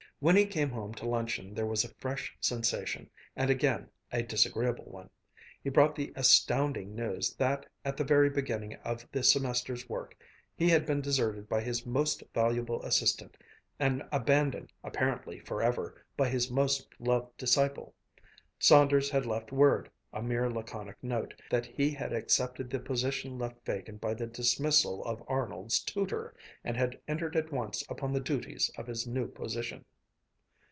When he came home to luncheon there was a fresh sensation, and again a disagreeable one. He brought the astounding news that, at the very beginning of the semester's work, he had been deserted by his most valuable assistant, and abandoned, apparently forever, by his most loved disciple. Saunders had left word, a mere laconic note, that he had accepted the position left vacant by the dismissal of Arnold's tutor, and had entered at once upon the duties of his new position.